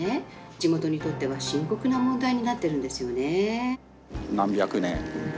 地元にとっては深刻な問題になっているんです。